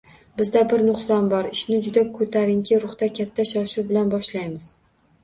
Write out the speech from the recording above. Bizda bir nuqson bor: ishni juda ko‘tarinki ruhda, katta shov-shuv bilan boshlaymiz.